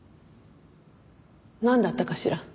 なんだったかしら？